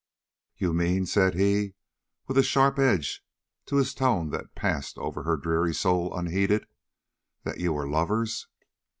"You mean," said he, with a sharp edge to his tone that passed over her dreary soul unheeded, "that you were lovers?"